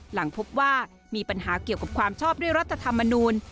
หลังพบว่ามีปัญหาเกี่ยวกับความชอบด้วยรัฐธรรมนูล